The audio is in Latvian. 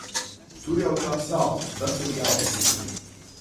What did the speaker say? Tur jau tas sāls. Tas ir jautri.